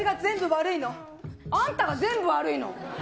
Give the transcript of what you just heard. あんたが全部悪いの。